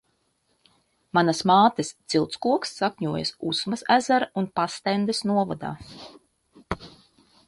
Manas mātes ciltskoks sakņojas Usmas ezera un Pastendes novadā.